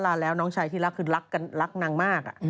ลาแล้วน้องชายที่รักคือรักกันรักนางมาก